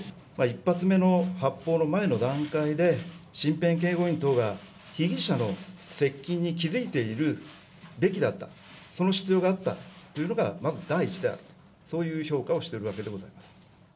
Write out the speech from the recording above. １発目の発砲の前の段階で、身辺警護員等が、被疑者の接近に気付いているべきだった、その必要があったというのがまず第一である、そういう評価をしているわけです。